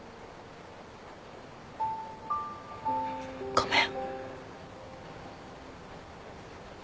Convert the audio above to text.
ごめん。